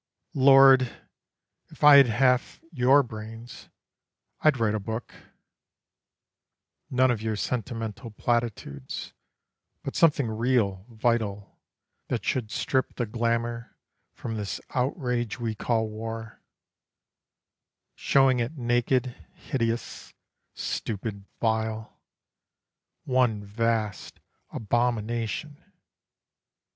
Lord, if I'd half your brains, I'd write a book: None of your sentimental platitudes, But something real, vital; that should strip The glamour from this outrage we call war, Shewing it naked, hideous, stupid, vile One vast abomination.